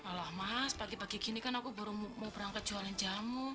hai allah mas pagi pagi kini kan aku baru mau berangkat jualan jamu